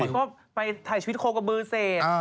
ก็ไปถ่ายชีวิตโคกกับเบอร์เศษ